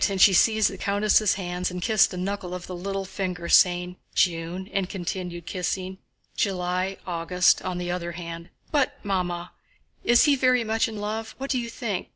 and she seized the countess' hands and kissed a knuckle of the little finger, saying, "June," and continued, kissing, "July, August," on the other hand. "But, Mamma, is he very much in love? What do you think?